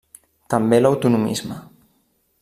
També l'autonomisme.